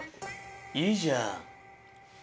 ・いいじゃん。